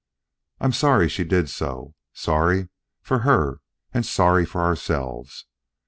I am sorry she did so, sorry for her and sorry for ourselves.